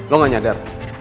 lo gak nyadar